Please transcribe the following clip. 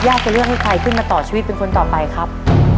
จะเลือกให้ใครขึ้นมาต่อชีวิตเป็นคนต่อไปครับ